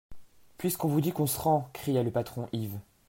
Puisqu'on vous dit qu'on se rend ! cria le patron Yves.